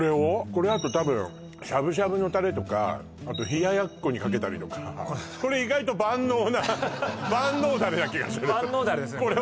これだと多分しゃぶしゃぶのたれとかあと冷奴にかけたりとかこれ意外と万能な万能ダレですね